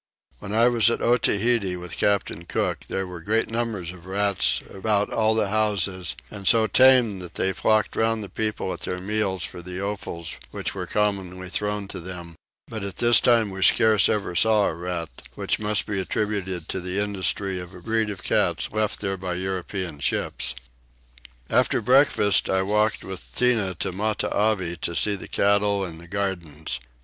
When I was at Otaheite with Captain Cook there were great numbers of rats about all the houses, and so tame that they flocked round the people at their meals for the offals which were commonly thrown to them; but at this time we scarce ever saw a rat which must be attributed to the industry of a breed of cats left here by European ships. After breakfast I walked with Tinah to Matavai to see the cattle and the gardens.